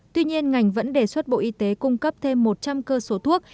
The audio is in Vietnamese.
tuy nhiên ngành vẫn đề xuất bộ y tế cung cấp thêm một trăm linh cơ số thuốc